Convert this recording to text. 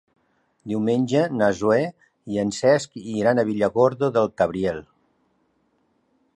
Diumenge na Zoè i en Cesc iran a Villargordo del Cabriel.